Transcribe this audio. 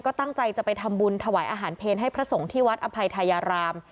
ก็ตั้งใจจะไปทำบุญถวายอาหารเพลให้พระสงฆ์ที่วัดอภัยทายาราม